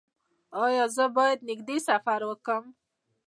ایا زه باید نږدې سفر وکړم؟